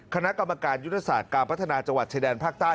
คณะกรรมการยุทธศาสตร์การพัฒนาจังหวัดชายแดนภาคใต้